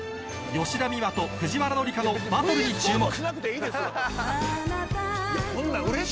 吉田美和と藤原紀香のバトルに注目